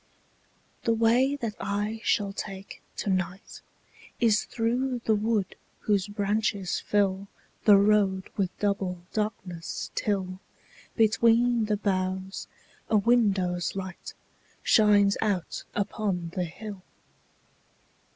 The way that I shall take to night Is through the wood whose branches fill The road with double darkness, till, Between the boughs, a window's light Shines out upon the hill.